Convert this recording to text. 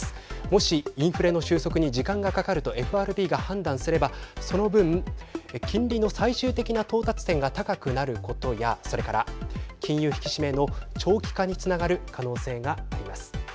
もし、インフレの収束に時間がかかるとＦＲＢが判断すればその分、金利の最終的な到達点が高くなることやそれから、金融引き締めの長期化につながる可能性があります。